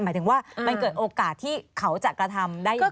หมายถึงว่ามันเกิดโอกาสที่เขาจะกระทำได้ยังไง